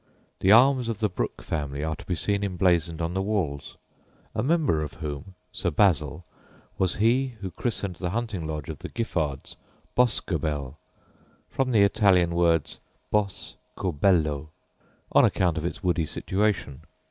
The arms of the Brooke family are to be seen emblazoned on the walls, a member of whom, Sir Basil, was he who christened the hunting lodge of the Giffards "Boscobel," from the Italian words "bos co bello," on account of its woody situation.